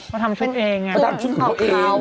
แบบไปทำชุดเอง